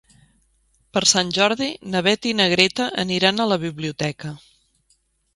Per Sant Jordi na Beth i na Greta aniran a la biblioteca.